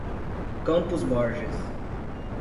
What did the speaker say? Campos Borges